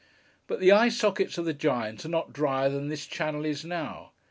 But the eye sockets of the giant are not drier than this channel is now.